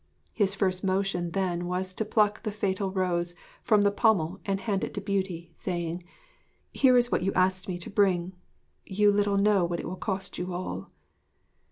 His first motion then was to pluck the fatal rose from the pommel and hand it to Beauty, saying: 'Here is what you asked me to bring. You little know what it will cost you all.'